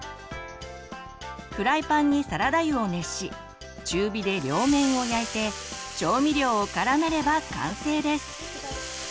フライパンにサラダ油を熱し中火で両面を焼いて調味料を絡めれば完成です。